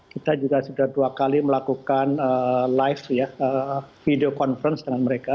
kita juga sudah dua kali melakukan live ya video conference dengan mereka